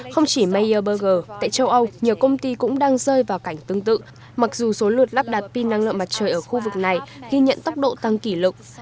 không chỉ mayer burger tại châu âu nhiều công ty cũng đang rơi vào cảnh tương tự mặc dù số lượt lắp đặt pin năng lượng mặt trời ở khu vực này ghi nhận tốc độ tăng kỷ lục